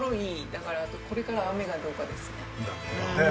だからあとこれから雨がどうかですね。